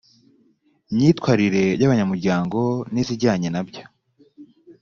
myitwarire y’abanyamuryango n’izijyanye na byo